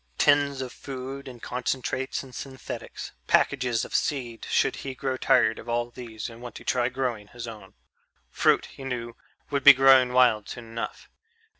Tins of food and concentrates and synthetics, packages of seed should he grow tired of all these and want to try growing his own fruit, he knew, would be growing wild soon enough....